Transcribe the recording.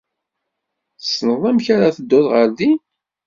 Tessneḍ amek ara tedduḍ ɣer din?